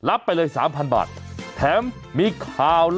หากใครที่เพิ่งสมัครใช้สิทธิ์โครงการคนละครึ่งเฟส๓